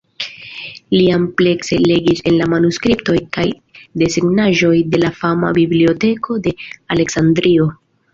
Li amplekse legis en la manuskriptoj kaj desegnaĵoj de la fama Biblioteko de Aleksandrio.